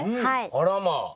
あらまあ。